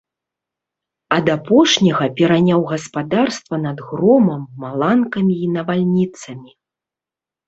Ад апошняга пераняў гаспадарства над громам, маланкамі і навальніцамі.